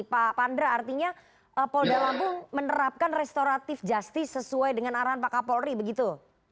pak pandra artinya polda lampung menerapkan restoratif justice sesuai dengan arahan pak kapolri begitu